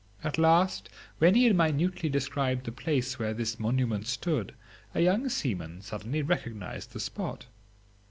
At last,, when he had minutely described the place where this, monument stood, a young seaman suddenly recognised the spot.